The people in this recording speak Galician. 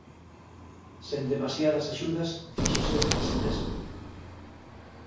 Sen demasiadas axudas fíxose a si mesmo.